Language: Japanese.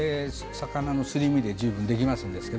魚のすり身で十分できます。